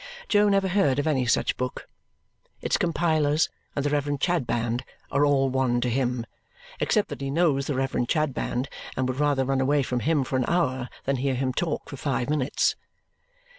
Jo never heard of any such book. Its compilers and the Reverend Chadband are all one to him, except that he knows the Reverend Chadband and would rather run away from him for an hour than hear him talk for five minutes.